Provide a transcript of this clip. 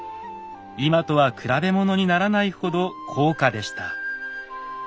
今とは比べものにならないほど高価でした。